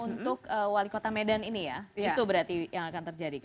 untuk wali kota medan ini ya itu berarti yang akan terjadi kan